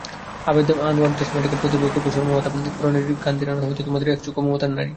আবিদ আনোয়ারদেশমাতৃকার প্রতিহবে কবে সর্বমাতা, পুরাণের বিরল গান্ধারীনা-হয়ে তোমার মতো একচক্ষু মমতার নারী।